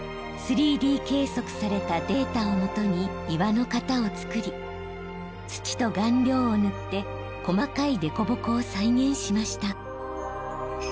３Ｄ計測されたデータをもとに岩の型をつくり土と顔料を塗って細かい凸凹を再現しました。